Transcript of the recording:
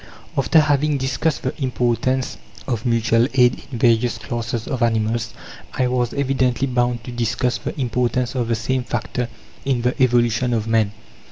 After having discussed the importance of mutual aid in various classes of animals, I was evidently bound to discuss the importance of the same factor in the evolution of Man.